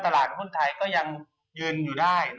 ตลาดผู้ชายไทยยังยืนอยู่ได้